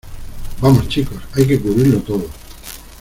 ¡ vamos, chicos , hay que cubrirlo todo!